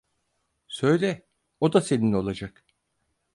Söyle, o da senin olacak!